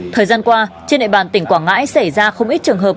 thời gian qua trên địa bàn tỉnh quảng ngãi xảy ra không ít trường hợp